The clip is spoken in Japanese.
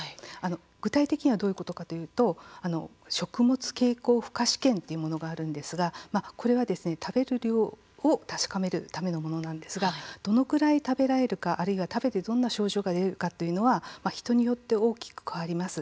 具体的にはどういうことかというと食物経口負荷試験というものがあるんですがこれは食べる量を確かめるためのものなんですがどのくらい食べられるかあるいは、食べてどんな症状が出るかというのは人によって大きく変わります。